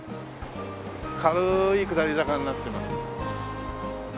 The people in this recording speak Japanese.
軽い下り坂になってます。